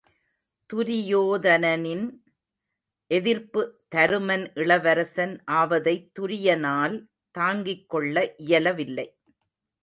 துரியோதனின் எதிர்ப்பு தருமன் இளவரசன் ஆவதைத் துரியானால் தாங்கிக் கொள்ள இயலவில்லை.